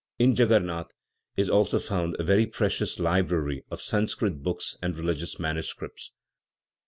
In Djagguernat is also found a very precious library of Sanscrit books and religious manuscripts.